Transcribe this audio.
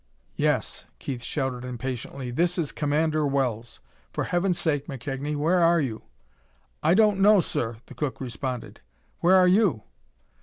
"Yes!" Keith shouted impatiently. "This is Commander Wells! For heaven's sake, McKegnie, where are you?" "I don't know, sir!" the cook responded. "Where are you?"